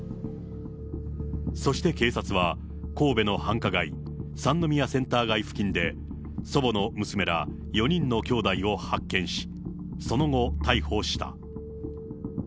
そして警察は、神戸の繁華街、三宮センター街付近で祖母の娘ら４人のきょうだいを発見し、その後、逮捕した。